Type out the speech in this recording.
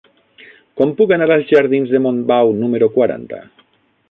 Com puc anar als jardins de Montbau número quaranta?